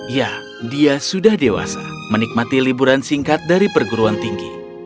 ya dia sudah dewasa menikmati liburan singkat dari perguruan tinggi